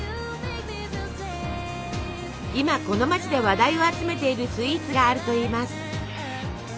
今この街で話題を集めているスイーツがあるといいます。